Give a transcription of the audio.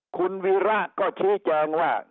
คุณวีระก็ชี้แจงว่า